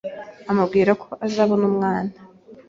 amubwira ko azabona umwana